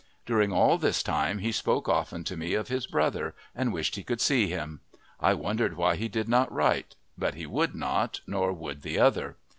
During all this time he spoke often to me of his brother and wished he could see him. I wondered why he did not write; but he would not, nor would the other.